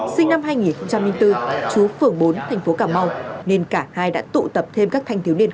sinh năm hai nghìn bốn chú phường bốn thành phố cà mau nên cả hai đã tụ tập thêm các thanh thiếu niên khác